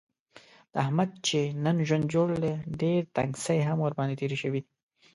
د احمد چې نن ژوند جوړ دی، ډېر تنګڅۍ هم ورباندې تېرې شوي دي.